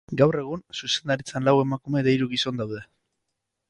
Gaur egun, zuzendaritzan lau emakume eta hiru gizon daude.